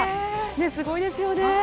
すごいですよね。